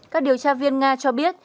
các điều tra viên nga cho biết